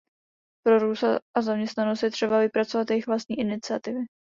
Pro růst a zaměstnanost je třeba vypracovat jejich vlastní iniciativy.